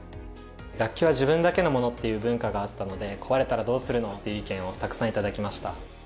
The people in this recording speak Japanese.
楽器は自分だけのものっていう文化があったので壊れたらどうするの？っていう意見をたくさん頂きました。